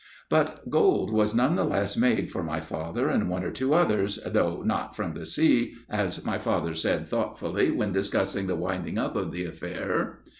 But gold was none the less made for my father and one or two others, "though not from the sea," as my father said thoughtfully when discussing the winding up of the affair.